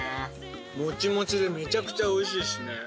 モチモチでめちゃくちゃおいしいしね。